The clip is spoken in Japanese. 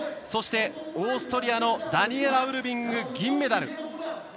そして、オーストリアのダニエラ・ウルビングが銀メダル。